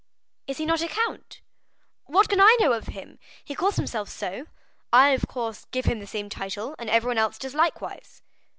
"Is he not a count?" "What can I know of him? He calls himself so. I, of course, give him the same title, and everyone else does likewise."